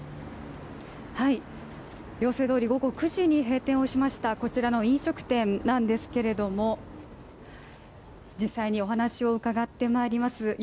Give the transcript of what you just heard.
要請通り午後９時に閉店をしましたこちらの飲食店なんですけれども実際にお話を伺ってまいります。